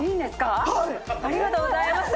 ⁉ありがとうございます。